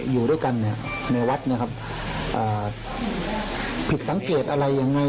อยู่ด้วยกันในวัดผิดสังเกตอะไรอย่างไร